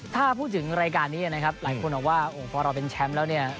ถ้าพูดถึงรายการนี้นะครับหลายคนบอกว่าโอ้โหพอเราเป็นแชมป์แล้วเนี่ย